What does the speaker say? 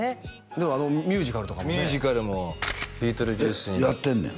でもミュージカルとかもねミュージカルも「ビートルジュース」にえっやってんねん？